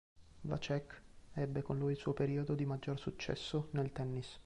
Vacek ebbe con lui il suo periodo di maggior successo nel tennis.